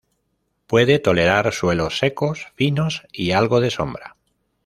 Puede tolerar suelos secos, finos y algo de sombra.